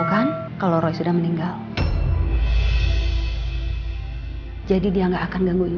sampai jumpa di video selanjutnya